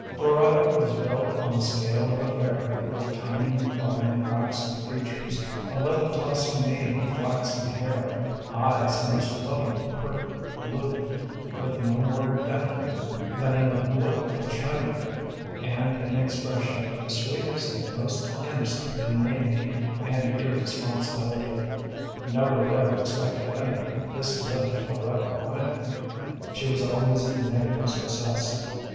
Floretta was built on the scale of a fairy, with tiny, fine, waxen features, a little tossing mane of flaxen hair, eyes a most lovely and perfect blue, with no more depth in them than in the blue of china, and an expression of the sweetest and most innocent inanity and irresponsibility. Nobody ever expected anything of this little Floretta Vining. She was always a negative success.